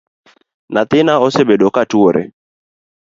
Nyathina osebedo ka tuore